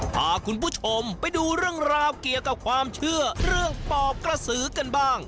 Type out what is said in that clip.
พาคุณผู้ชมไปดูเรื่องราวเกี่ยวกับความเชื่อเรื่องปอบกระสือกันบ้าง